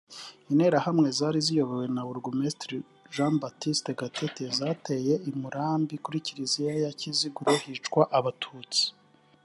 Interahamwe zari ziyobowe na burugumesitiri Jean Baptiste Gatete zateye i Murambi ku Kiliiziya ya Kiziguro hicwa abatutsi